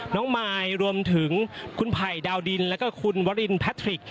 น้องมายรวมถึงคุณไผ่ดาวดินและคุณวัลินแพทริก